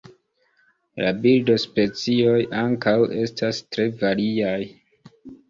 La birdospecioj ankaŭ estas tre variaj.